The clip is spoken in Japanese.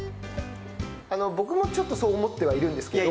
僕もちょっとそう思ってるんですけど。